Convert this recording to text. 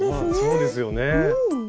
そうですよね。